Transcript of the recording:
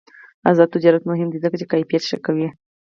آزاد تجارت مهم دی ځکه چې کیفیت ښه کوي.